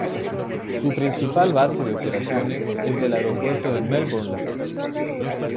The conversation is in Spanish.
Su principal base de operaciones es el Aeropuerto de Melbourne.